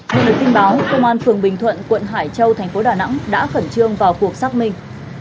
nhận được tin báo công an phường bình thuận quận hải châu thành phố đà nẵng đã khẩn trương vào cuộc xác minh